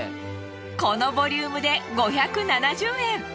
このボリュームで５７０円。